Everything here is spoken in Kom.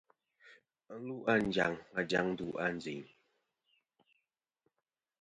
Và lu a Anjaŋ va dyaŋ ndu a Ànjin.